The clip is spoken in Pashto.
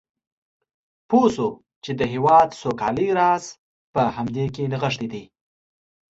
پوه شو چې د هېواد سوکالۍ راز په همدې کې نغښتی دی.